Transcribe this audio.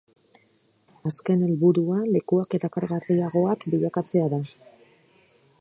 Azken helburua lekuak erakargarriagoak bilakatzea da.